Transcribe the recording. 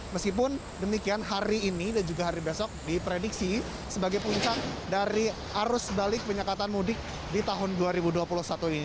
meskipun demikian hari ini dan juga hari besok diprediksi sebagai puncak dari arus balik penyekatan mudik di tahun dua ribu dua puluh satu ini